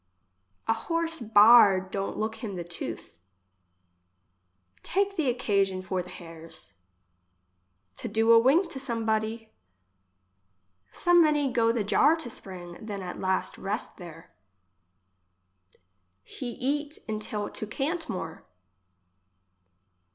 A horse baared don't look him the tooth. Take the occasion for the hairs. To do a wink to some body. So many go the jar to spring, than at last rest there. He eat untill to can't more.